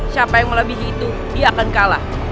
siapa yang melebihi itu dia akan kalah